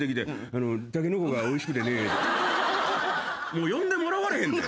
もう呼んでもらわれへんで！